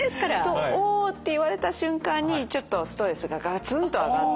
と「おお」って言われた瞬間にちょっとストレスがガツンと上がって。